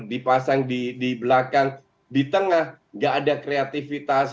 dipasang di belakang di tengah tidak ada kreatifitas